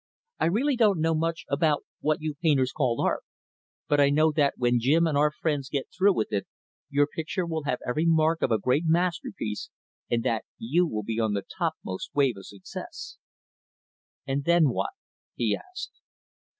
I really don't know much about what you painters call art; but I know that when Jim and our friends get through with it, your picture will have every mark of a great masterpiece, and that you will be on the topmost wave of success." "And then what?" he asked.